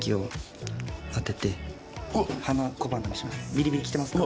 ビリビリきてますか？